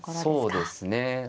そうですね。